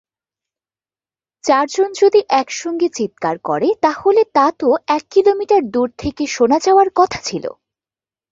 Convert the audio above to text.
চারজন যদি এক সঙ্গে চিৎকার করে তাহলে তা তো এক কিলোমিটার দূর থেকে শোনা যাওয়ার কথা ছিল।